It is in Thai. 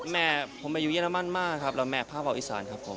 แม่ผมไปอยู่เรมันมากครับแล้วแม่ภาคอีสานครับผม